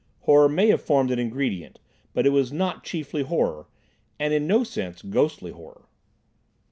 Horror may have formed an ingredient, but it was not chiefly horror, and in no sense ghostly horror.